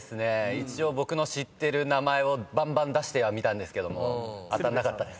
一応僕の知ってる名前をばんばん出してみたんですけど当たんなかったです。